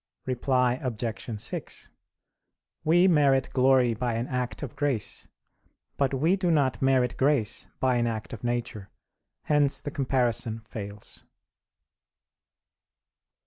Reply Obj. 6: We merit glory by an act of grace; but we do not merit grace by an act of nature; hence the comparison fails.